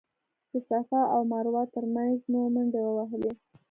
د صفا او مروه تر مینځ مو منډې ووهلې.